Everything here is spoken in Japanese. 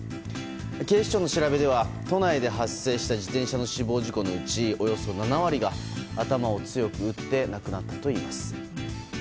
警視庁の調べでは都内で発生した自転車の死亡事故のうちおよそ７割が頭を強く打って亡くなったといいます。